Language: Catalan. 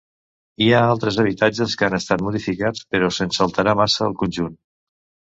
Hi ha altres habitatges que han estat modificats, però sense alterar massa el conjunt.